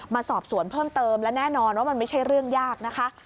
มาสอบสวนเพิ่มเติมและแน่นอนว่ามันไม่ใช่เรื่องยากนะคะ